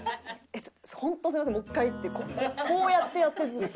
「本当すみませんもう１回」ってこうやってやってずっと。